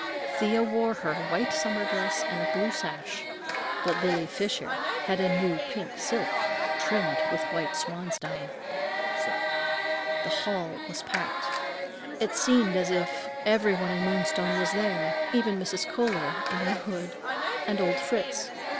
Thea wore her white summer dress and a blue sash, but Lily Fisher had a new pink silk, trimmed with white swansdown. The hall was packed. It seemed as if every one in Moonstone was there, even Mrs. Kohler, in her hood, and old Fritz.